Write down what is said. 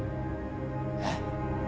えっ？